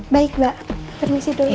baik mbak permisi dulu